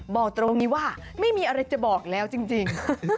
บอกตรงนี้ว่าไม่มีอะไรจะบอกแล้วจริง